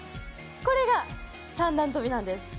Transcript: これが三段跳びなんです。